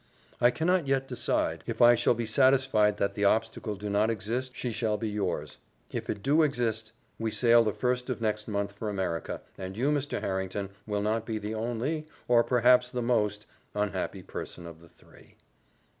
"I cannot yet decide: if I shall be satisfied that the obstacle do not exist, she shall be yours; if it do exist, we sail the first of next month for America, and you, Mr. Harrington, will not be the only, or perhaps the most, unhappy person of the three.